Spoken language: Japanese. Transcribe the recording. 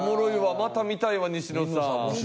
また見たいわ西野さん。